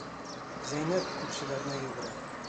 Зәйнәп күршеләренә йүгерә.